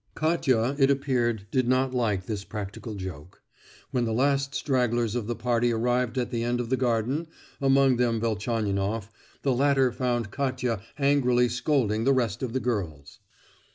Katia, it appeared, did not like this practical joke. When the last stragglers of the party arrived at the end of the garden, among them Velchaninoff, the latter found Katia angrily scolding the rest of the girls.